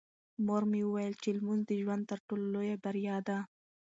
مور مې وویل چې لمونځ د ژوند تر ټولو لویه بریا ده.